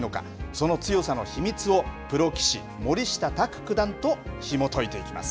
その強さの秘密をプロ棋士、森下卓九段とひも解いていきます。